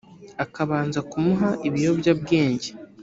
akabanza kumuha ibiyobyabwenge